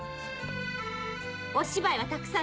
お芝居はたくさんよ